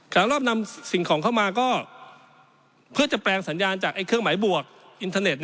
รอบนำสิ่งของเข้ามาก็เพื่อจะแปลงสัญญาณจากเครื่องหมายบวกอินเทอร์เน็ต